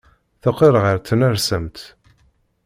Teqqel ɣer tnersamt.